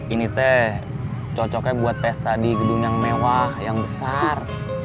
ini teh cocoknya buat pesta di gedung yang mewah yang besar